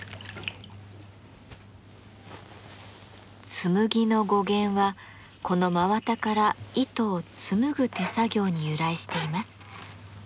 「紬」の語源はこの真綿から糸を紡ぐ手作業に由来しています。